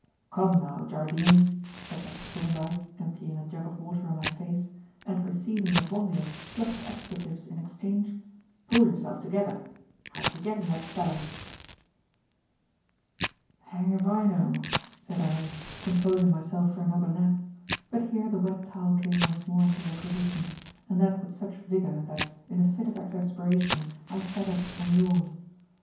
"Come, now, Jardine," said Dr. Thorndyke, emptying a jug of water on my face, and receiving a volley of spluttered expletives in exchange, "pull yourself together. How did you get in that cellar?" "Hang' 'f I know," said I, composing myself for another nap. But here the wet towel came once more into requisition, and that with such vigour that, in a fit of exasperation, I sat up and yawned.